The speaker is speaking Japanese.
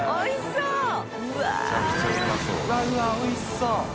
うわうわおいしそう！